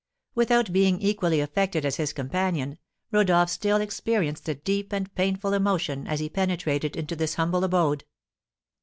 Without being equally affected as his companion, Rodolph still experienced a deep and painful emotion as he penetrated into this humble abode.